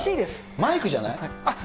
マイクじゃない？